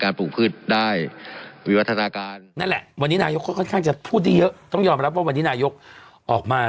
การปลูกพืชด้วงไว้วัฒนาการคือพูดเยอะย้อมรับออกมา